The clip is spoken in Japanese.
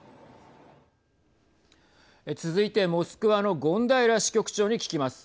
続いて、モスクワの権平支局長に聞きます。